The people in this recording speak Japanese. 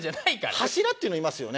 柱っていうのいますよね？